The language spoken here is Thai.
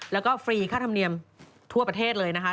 แล้วก็ฟรีค่าธรรมเนียมทั่วประเทศเลยนะคะ